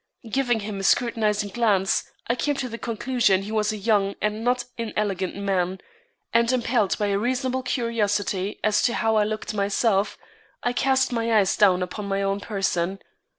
Giving him a scrutinizing glance, I came to the conclusion he was a young and not inelegant man; and impelled by a reasonable curiosity as to how I looked myself, I cast my eyes down upon my own person.